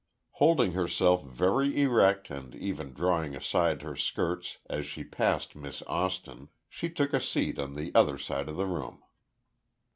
Holding herself very erect and even drawing aside her skirts as she passed Miss Austin, she took a seat on the other side of the room.